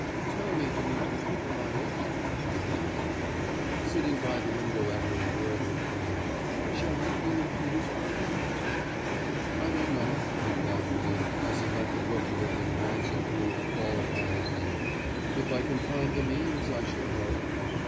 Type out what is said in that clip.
'Tell me, Dmitri Nikolaitch,' she began one day, sitting by the window at her embroidery frame, 'shall you be in Petersburg in the winter?' 'I don't know,' replied Rudin, as he let the book he had been glancing through fall upon his knee; 'if I can find the means, I shall go.